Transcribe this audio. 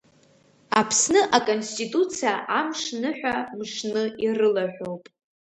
Аԥсны аконституциа Амш ныҳәа мшны ирылаҳәоуп.